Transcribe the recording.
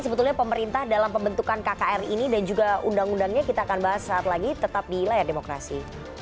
sebetulnya pemerintah dalam pembentukan kkr ini dan juga undang undangnya kita akan bahas saat lagi tetap di layar demokrasi